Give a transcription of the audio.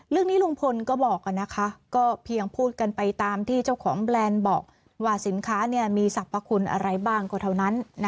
ลุงพลก็บอกนะคะก็เพียงพูดกันไปตามที่เจ้าของแบรนด์บอกว่าสินค้ามีสรรพคุณอะไรบ้างก็เท่านั้น